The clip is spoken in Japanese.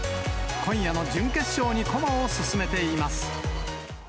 今夜の準決勝に駒を進めています。